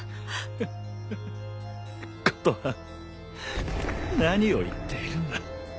琴葉何を言っているんだ？